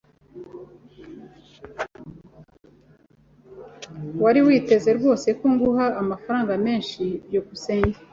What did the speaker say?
Wari witeze rwose ko nguha amafaranga menshi? byukusenge